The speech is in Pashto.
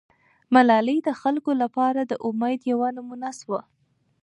ملالۍ د خلکو لپاره د امید یوه نمونه سوه.